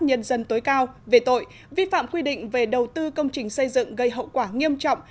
nhân dân tối cao về tội vi phạm quy định về đầu tư công trình xây dựng gây hậu quả nghiêm trọng